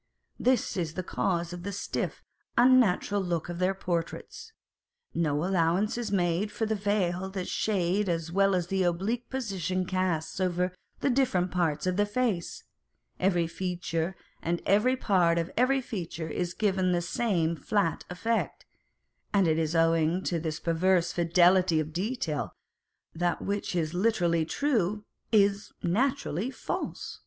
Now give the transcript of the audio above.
This is the cause of the stiff, unnatural look of their portraits. No allowance is made for the veil that shade as well as an oblique position casts over the different parts of the face ; every feature, and every part of every feature is given with the same flat effect, and it is owing to this perverse fidelity of detail, that that which is literally true, is naturally false.